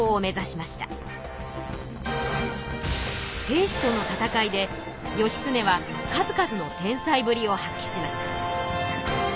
平氏との戦いで義経は数々の天才ぶりを発揮します。